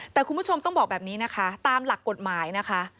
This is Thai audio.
แต่คุณผู้ชมต้องบอกแบบนี้นะคะตามหลักกฎหมายนะคะ